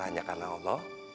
hanya karena allah